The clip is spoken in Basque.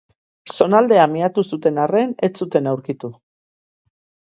Zonaldea miatu zuten arren, ez zuten aurkitu.